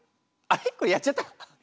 これやっちゃった？